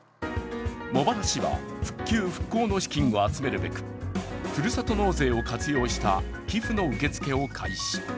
茂原市は、復旧、復興の資金を集めるべくふるさと納税を活用した寄付の受け付けを開始。